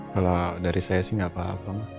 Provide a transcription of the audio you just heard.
kalau dari saya sih nggak apa apa